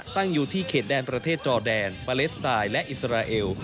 ตั้งอยู่ที่เขตแดนประเทศจอแดนปาเลสไตน์และอิสราเอล